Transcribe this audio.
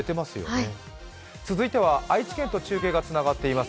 続いては愛知県と中継がつながっています。